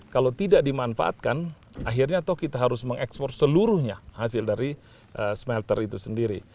kalau tidak dimanfaatkan akhirnya toh kita harus mengekspor seluruhnya hasil dari smelter itu sendiri